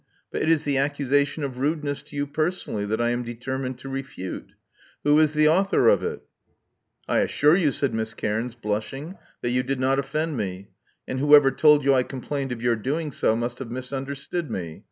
But it is the accusation of rudeness to you personally that I am determined to refute. Who is the author of it?" •*I assure you," said Miss Cairns, blushing, that you did not offend me ; and whoever told you I com plained of your doing so must have misunderstood me.